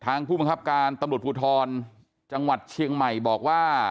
ผู้บังคับการตำรวจภูทรจังหวัดเชียงใหม่บอกว่า